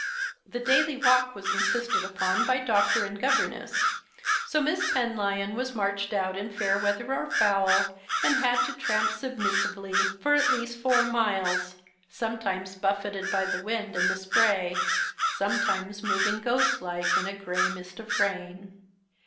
The daily walk was insisted upon by doctor and governess ; so Miss Penlyon was marched out in fair weather or foul, and had to tramp submissively for at 74 The Christmas Hirelings. least four miles, sometimes buffeted by the wind and the spray, sometimes moving ghost like in a grey mist of rain.